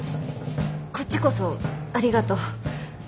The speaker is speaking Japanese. こっちこそありがとう。